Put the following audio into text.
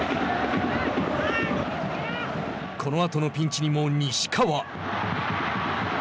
このあとのピンチにも西川。